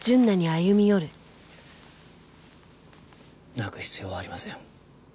泣く必要はありません。